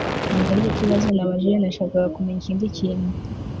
ntabwo aricyo kibazo nabajije. nashakaga kumenya ikindi kintu